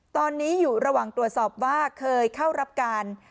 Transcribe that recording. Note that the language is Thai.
ตอนนี้อยู่ระหว่างตรวจสอบว่าเคยเข้ารับการ